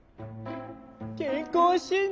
けんこうしんだん？